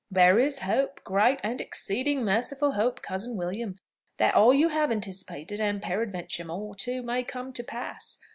"There is hope, great and exceeding merciful hope, cousin William, that all you have anticipated, and peradventure more too, may come to pass.